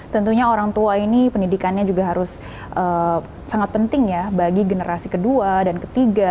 tentunya orang tua ini pendidikannya juga harus sangat penting ya bagi generasi ke dua dan ke tiga